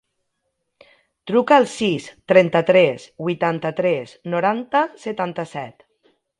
Truca al sis, trenta-tres, vuitanta-tres, noranta, setanta-set.